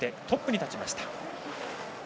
トップに立ちました。